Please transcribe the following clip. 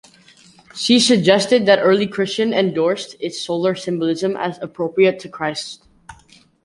She suggested that early Christians endorsed its solar symbolism as appropriate to Christ.